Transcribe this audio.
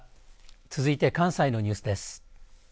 続いて関西のニュースです。